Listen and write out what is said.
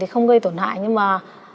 không gây tổn hại nhưng mà